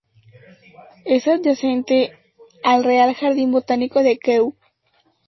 Es adyacente al Real Jardín Botánico de Kew.